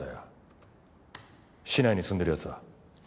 市内に住んでる奴は？